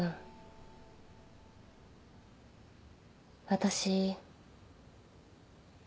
私。